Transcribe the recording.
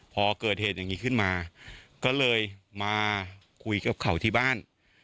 พอเกิดเหตุอย่างนี้ขึ้นมาก็เลยมาคุยกับเขาที่บ้าน